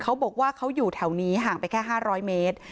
เขาบอกว่าเขาอยู่แถวนี้ห่างไปแค่๕๐๐เมตร